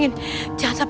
ini dia dia bau